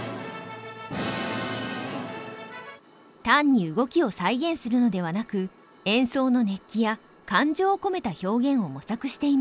単に動きを再現するのではなく演奏の熱気や感情を込めた表現を模索しています。